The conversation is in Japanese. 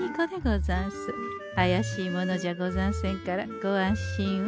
あやしい者じゃござんせんからご安心を。